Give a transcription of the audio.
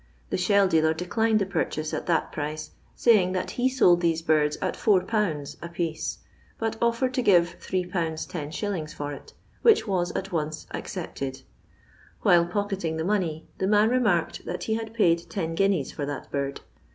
The shell dealer declined the purchase at that price, saying, that he sold these birids at 4/. a piece, but offered to give 3/. IOj. for it, which was at once accepted ; while pocketing the money, the man remarked that he had paid ten guineas for that bird.